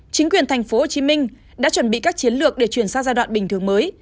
chính quyền tp hcm đã chuẩn bị các chiến lược để chuyển sang giai đoạn bình thường mới